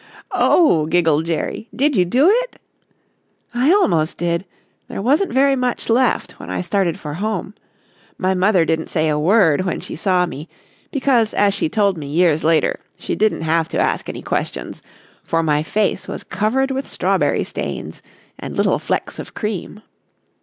"Oh," giggled Jerry, "did you do it?" "I almost did there wasn't very much left when I started for home. My mother didn't say a word when she saw me, because as she told me years later, she didn't have to ask any questions, for my face was covered with strawberry stains and little flecks of cream.